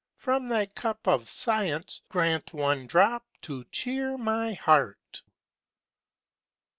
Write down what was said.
from thy cup of science Grant one drop to cheer my heart!